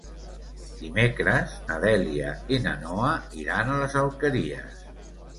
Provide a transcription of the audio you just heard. Dimecres na Dèlia i na Noa iran a les Alqueries.